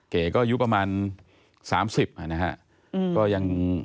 เก๋ก็อายุประมาณ๓๐นะคะ